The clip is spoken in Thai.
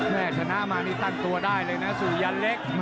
ชนะมานี่ตั้งตัวได้เลยนะสุยันเล็ก